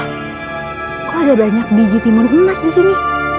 kok ada banyak biji timun emas disini